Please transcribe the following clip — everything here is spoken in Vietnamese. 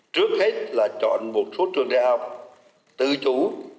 trước hết là chọn một số trường đại học tự chủ